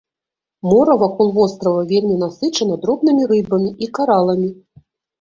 Мора вакол вострава вельмі насычана дробнымі рыбамі і караламі.